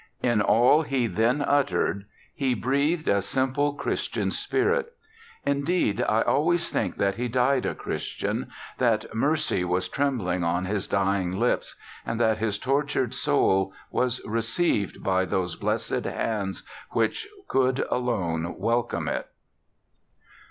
In all he then uttered he breathed a simple, Christian spirit; indeed, I always think that he died a Christian, that "Mercy" was trembling on his dying lips, and that his tortured soul was received by those Blessed Hands which could alone welcome it.